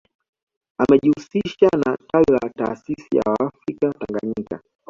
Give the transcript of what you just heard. Amejihusisha na tawi la taasisi ya waafrika Tanganyika